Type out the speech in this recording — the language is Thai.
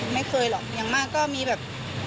ไม่เคยหรอกอย่างมากก็มีแบบ